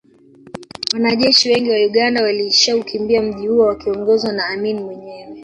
Wanajeshi wengi wa Uganda walishaukimbia mji huo wakiongozwa na Amin mwenyewe